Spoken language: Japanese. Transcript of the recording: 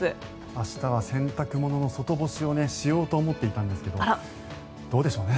明日は洗濯物の外干しをしようと思っていたんですがどうでしょうね。